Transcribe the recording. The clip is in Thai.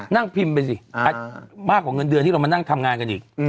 นั่งพิมพ์ไปสิมากกว่าเงินเดือนที่เรามานั่งทำงานกันอีก